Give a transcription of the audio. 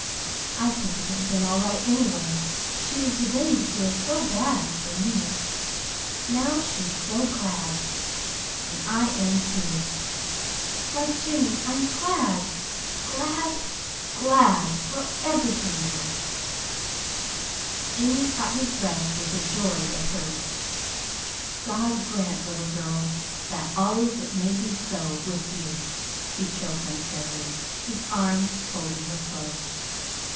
I think it would have been all right, anyway. She was beginning to feel so bad for me. Now she's so glad. And I am, too. Why, Jimmy, I'm glad, GLAD, GLAD for everything, now!" [Illustration: "'I'm glad, GLAD, GLAD for everything now!'"] Jimmy caught his breath with a joy that hurt. "God grant, little girl, that always it may be so with you," he choked unsteadily, his arms holding her close.